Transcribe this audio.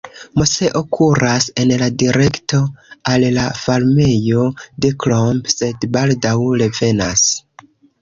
Moseo kuras en la direkto al la farmejo de Klomp, sed baldaŭ revenas.